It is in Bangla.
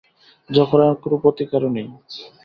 যখন এর কোন প্রতিকারও নেই।